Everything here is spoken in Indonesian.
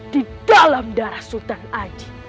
di dalam darah sultan aji